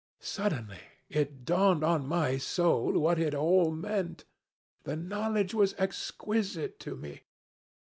Suddenly it dawned on my soul what it all meant. The knowledge was exquisite to me.